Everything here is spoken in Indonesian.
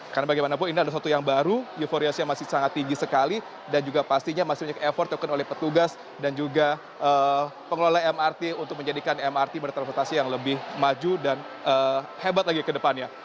karena bagaimanapun ini adalah suatu yang baru euforiasi yang masih sangat tinggi sekali dan juga pastinya masih banyak effort yang diperlukan oleh petugas dan juga pengelola mrt untuk menjadikan mrt modal transportasi yang lebih maju dan hebat lagi ke depannya